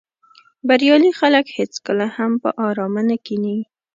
بریالي خلک هېڅکله هم په آرامه نه کیني.